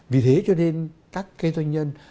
vì thế cho nên các doanh nhân